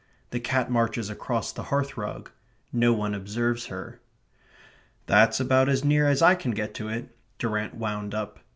The cat marches across the hearth rug. No one observes her. "That's about as near as I can get to it," Durrant wound up.